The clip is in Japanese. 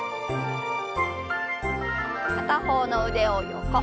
片方の腕を横。